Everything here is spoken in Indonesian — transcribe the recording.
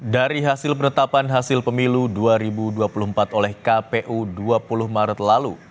dari hasil penetapan hasil pemilu dua ribu dua puluh empat oleh kpu dua puluh maret lalu